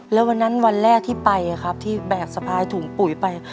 แล้ววันนั้นวันแรกที่ไปที่แบกสะพายถุงปุ๋ยไป